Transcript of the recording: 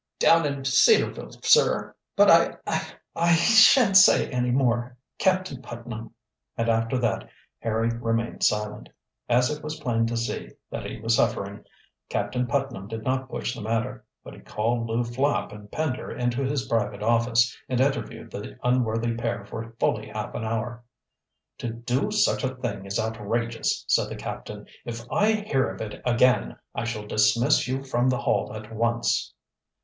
"Down in Cedarville, sir. But, I I I shan't say any more, Captain Putnam," and after that Harry remained silent. As it was plain to see that he was suffering, Captain Putnam did not push the matter. But he called Lew Flapp and Pender into his private office and interviewed the unworthy pair for fully half an hour. "To do such a thing is outrageous," said the captain. "If I hear of it again I shall dismiss you from the Hall at once."